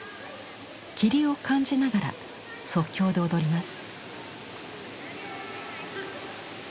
霧を感じながら即興で踊ります。